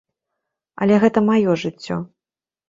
Але гэта маё жыццё.